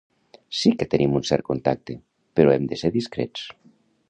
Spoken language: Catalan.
Sí que tenim un cert contacte, però hem de ser discrets.